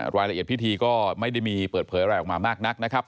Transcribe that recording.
รายละเอียดพิธีก็ไม่ได้มีเปิดเผยอะไรออกมามากนักนะครับ